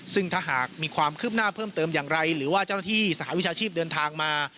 ซึ่งถ้าหากมีความคืบหน้าเพิ่มเติมอย่างไรหรือว่าเจ้าหน้าที่สหวิชาชีพเดินทางมา